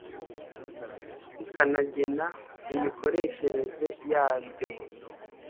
rikanagena imikoreshereze yabyo